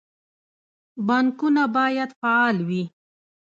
بانکونه باید فعال وي